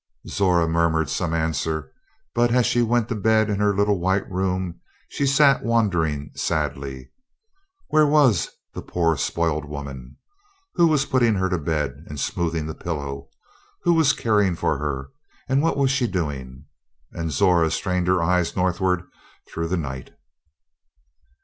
Zora murmured some answer; but as she went to bed in her little white room she sat wondering sadly. Where was the poor spoiled woman? Who was putting her to bed and smoothing the pillow? Who was caring for her, and what was she doing? And Zora strained her eyes Northward through the night.